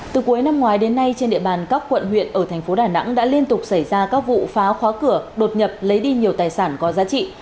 từ cuối năm ngoái đến nay trên địa bàn các quận huyện ở thành phố đà nẵng đã liên tục xảy ra các vụ phá khóa cửa đột nhập lấy đi nhiều tài sản có giá trị